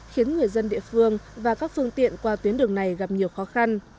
khiến người dân địa phương và các phương tiện qua tuyến đường này gặp nhiều khó khăn